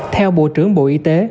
theo bộ trưởng bộ y tế